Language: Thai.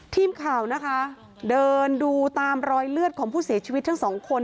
ทีมข่าวนะคะเดินดูตามรอยเลือดของผู้เสียชีวิตทั้งสองคน